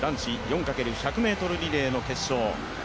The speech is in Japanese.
男子４×１００ｍリレーの決勝。